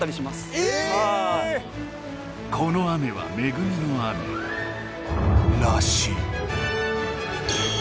この雨はめぐみの雨らしい。